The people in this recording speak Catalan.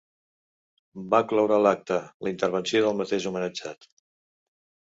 Va cloure l’acte la intervenció del mateix homenatjat.